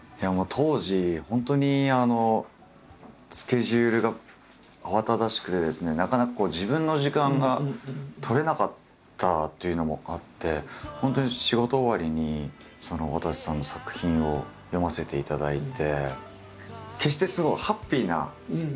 当時本当にスケジュールが慌ただしくてですねなかなか自分の時間が取れなかったというのもあって本当に仕事終わりにわたせさんの作品を読ませていただいて。